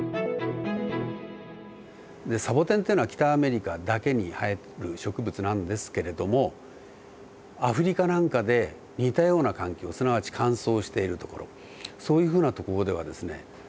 サボテンっていうのは北アメリカだけに生える植物なんですけれどもアフリカなんかで似たような環境すなわち乾燥している所そういうふうな所ではですね